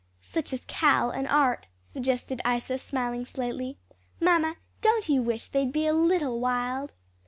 "Such as Cal and Art," suggested Isa, smiling slightly. "Mamma, don't you wish they'd be a little wild?"